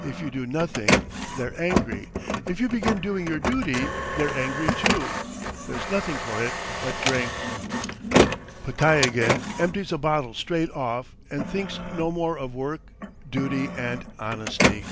If you do nothing they're angry; if you begin doing your duty, they're angry too. There's nothing for it but drink!" Podtyagin empties a bottle straight off and thinks no more of work, duty, and honesty!